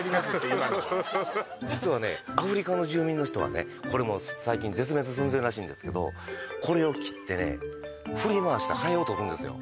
今のは実はねアフリカの住民の人はねこれもう最近絶滅寸前らしいんですけどこれを切ってね振り回してハエをとるんですよ